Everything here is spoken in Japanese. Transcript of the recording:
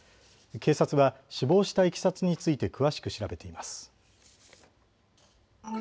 警察は死亡したいきさつについて詳しく調べています。